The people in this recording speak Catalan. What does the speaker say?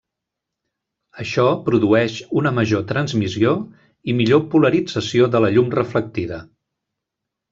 Això produeix una major transmissió, i millor polarització de la llum reflectida.